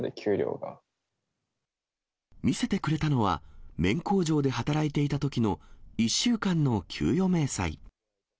見せてくれたのは、綿工場で働いていたときの１週間の給与明細。